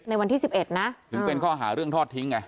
ในวันที่๑๑นะถึงเป็นข้อหาเรื่องทอดทิ้งไง